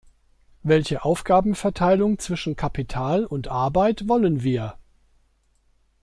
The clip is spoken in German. Welche Aufgabenverteilung zwischen Kapital und Arbeit wollen wir?